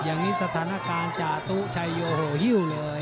อย่างนี้สถานการณ์จาตุชัยโยโอ้โหฮิ้วเลย